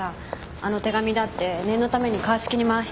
あの手紙だって念のために鑑識に回して調べてもらったし。